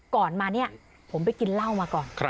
ก่อนมาเนี่ยผมไปกินเหล้ามาก่อน